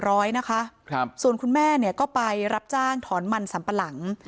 ทำงานก่อสร้างรายได้วันละสี่ร้อยนะคะส่วนคุณแม่เนี่ยก็ไปรับจ้างถอนมันสัมปะหลัง